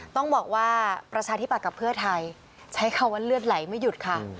ต้องบอกว่าประชาธิบัตย์กับเพื่อไทยใช้คำว่าเลือดไหลไม่หยุดค่ะ